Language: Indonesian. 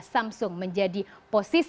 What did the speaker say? kalau anda menurut saya